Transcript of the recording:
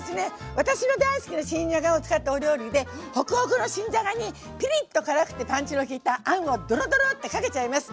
私の大好きな新じゃがを使ったお料理でホクホクの新じゃがにピリッと辛くてパンチの利いたあんをドロドローってかけちゃいます。